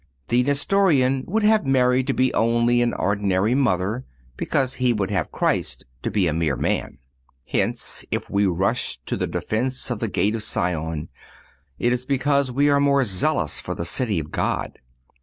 The Nestorian would have Mary to be only an ordinary mother because he would have Christ to be a mere man. Hence, if we rush to the defence of the gate of Sion, it is because we are more zealous for the city of God.